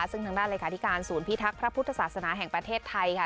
ซึ่งทางด้านเลขาธิการศูนย์พิทักษ์พระพุทธศาสนาแห่งประเทศไทยค่ะ